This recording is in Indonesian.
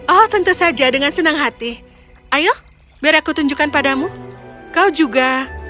oh tentu saja dengan senang hati ayo biar aku tunjukkan padamu kau juga